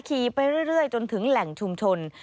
ขี่ไปเรื่อยจนถึงแหล่งชุมชน